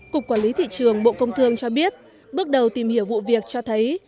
cục quản lý thị trường bộ công thương cho biết bước đầu tìm hiểu vụ việc cho thấy